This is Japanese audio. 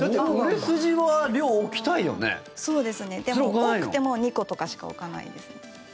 多くても２個とかしか置かないですね。